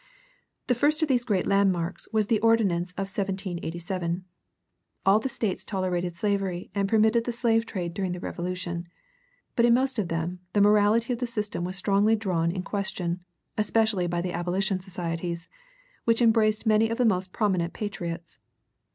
The first of these great landmarks was the Ordinance of 1787. All the States tolerated slavery and permitted the slave trade during the Revolution. But in most of them the morality of the system was strongly drawn in question, especially by the abolition societies, which embraced many of the most prominent patriots.